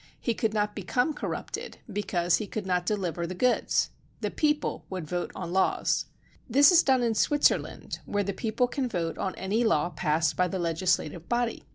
He could not become corrupted because he could not deliver the goods. The people would vote on laws. This is done in Switzerland, where the peo ple can vote on any law passed by the legis lative body.